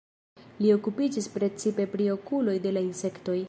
Li okupiĝis precipe pri okuloj de la insektoj.